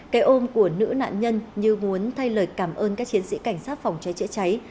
cái ôm của nữ nạn nhân như muốn thay lời cảm ơn các chiến sĩ cảnh sát phòng cháy chữa cháy